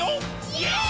イエーイ！！